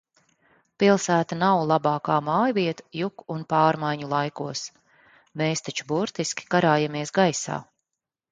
Pilsēta nav labākā mājvieta juku un pārmaiņu laikos. Mēs taču burtiski karājamies gaisā.